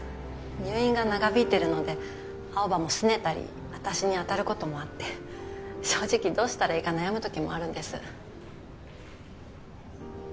入院が長引いてるので青葉もすねたり私に当たることもあって正直どうしたらいいか悩むときもあるんです